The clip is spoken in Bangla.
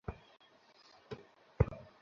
এই, এটা চার্জিং পোর্ট।